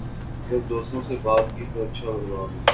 جب دوستوں سے بات کی تو اچھا جواب ملا